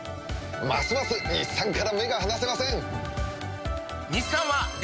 ますます日産から目が離せません！